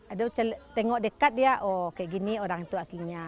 aduh tengok dekat dia oh kayak gini orang itu aslinya